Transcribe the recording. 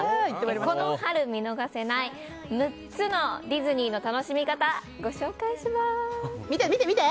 この春見逃せない６つのディズニーの楽しみ方見て見て見て！